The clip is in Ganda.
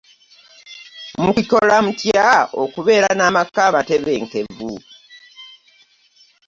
Mukikola mutya okubeera n'amaka amatebenkenvu?